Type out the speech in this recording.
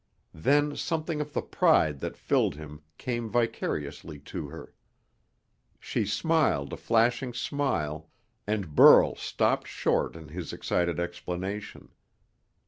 Then something of the pride that filled him came vicariously to her. She smiled a flashing smile, and Burl stopped short in his excited explanation.